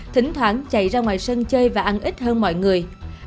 thỉnh thoảng chạy ra ngoài sân chơi và ăn ít hơn mọi người